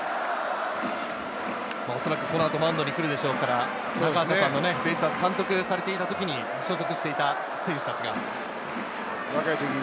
おそらくこのあとマウンドに来るでしょうから、ベイスターズ監督をされていた時に所属していた選手たちが。